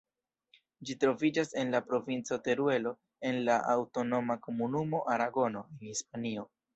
Ĝi troviĝas en la provinco Teruelo, en la aŭtonoma komunumo Aragono, en Hispanio.